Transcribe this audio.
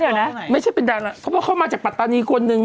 เดี๋ยวนะไม่ใช่เป็นดาระเขามาจากปัตตานีคนหนึ่ง